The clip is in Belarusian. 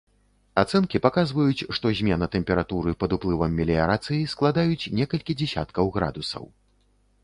Ацэнкі паказваюць, што змена тэмпературы пад уплывам меліярацыі складаюць некалькі дзясяткаў градусаў.